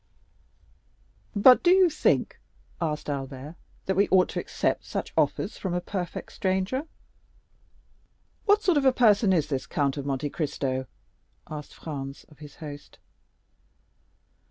"But do you think," asked Albert, "that we ought to accept such offers from a perfect stranger?" "What sort of person is this Count of Monte Cristo?" asked Franz of his host.